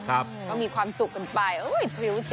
ก็มีความสุขกันไป